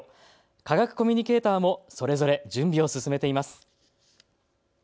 科学コミュニケーターもそれぞれ準備を進めています。